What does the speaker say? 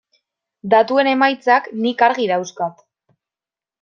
Datuen emaitzak nik argi dauzkat.